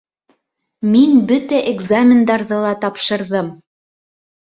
Мин бөтә экзамендарҙы ла тапшырҙым